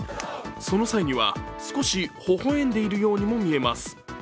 その際には、少しほほ笑んでいるようにも見えます。